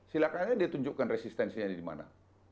silahkan aja dia tunjukkan resistensinya di mana